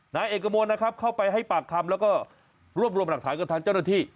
นายเอกมลนะครับเข้าไปให้ปากคำแล้วก็รวบรวมหลักฐานกับทางเจ้าหน้าที่